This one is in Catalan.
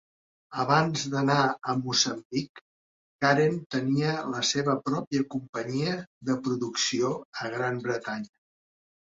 Abans d'anar a Moçambic, Karen tenia la seva pròpia companyia de producció a Gran Bretanya.